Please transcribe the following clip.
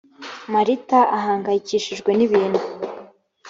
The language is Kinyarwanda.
marita ahangayikishijwe n ‘ibintu.